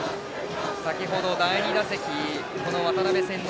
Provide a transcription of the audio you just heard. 先ほど第２打席渡邉千之